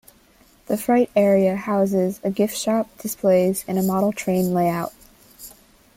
The freight area Houses a gift shop, displays and a model train layout.